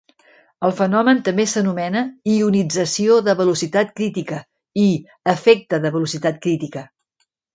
El fenomen també s'anomena "ionització de velocitat crítica" i "efecte de velocitat crítica".